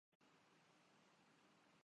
دوسرا مألہ یہ پیدا ہوتا ہے